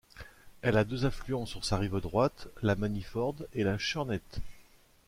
Elle a deux affluents sur sa rive droite, la Maniford et la Churnet.